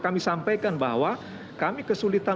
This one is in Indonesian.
kami sampaikan bahwa kami kesulitan